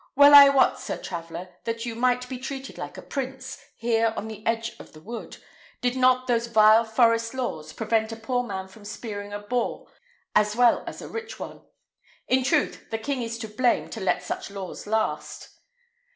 "Well I wot, sir traveller, that you might be treated like a prince, here on the edge of the wood, did not those vile forest laws prevent a poor man from spearing a boar as well as a rich one. In truth, the king is to blame to let such laws last."